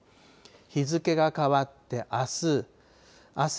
日付が変わってあす。